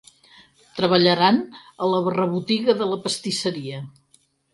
Treballaran a la rebotiga de la pastisseria.